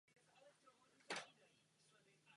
To věřitelům prakticky znemožňuje tyto prostředky blokovat.